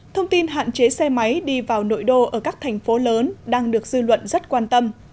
thông tin hạn chế xe máy đi vào nội đô ở các thành phố lớn đang được dư luận rất quan tâm